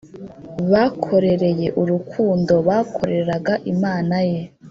bakorereye urukundo bakoreraga imana ye